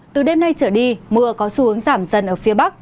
từ đêm nay trở đi mưa có xu hướng giảm dần ở phía bắc